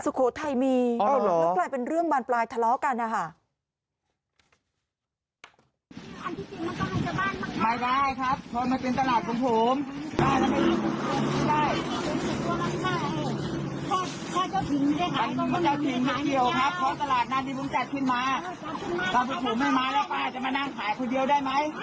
สุโขทัยมีแล้วกลายเป็นเรื่องบานปลายทะเลาะกันนะคะ